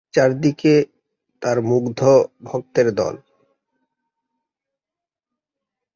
চারদিকে তাঁর মুগ্ধ ভক্তের দল।